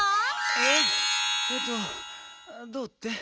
えっえっとどうって？